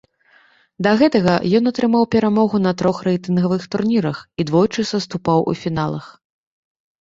Да гэтага, ён атрымаў перамогу на трох рэйтынгавых турнірах і двойчы саступаў у фіналах.